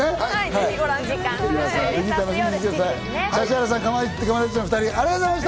ぜひご覧ください。